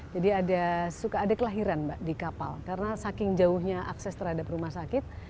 jadi ada suka adik lahiran di kapal karena saking jauhnya akses terhadap rumah sakit